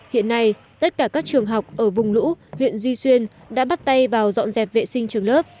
hiện nay tất cả các trường học ở vùng lũ huyện duy xuyên đã bắt tay vào dọn dẹp vệ sinh trường lớp